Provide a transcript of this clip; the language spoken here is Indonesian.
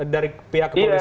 dari pihak kepolisian ini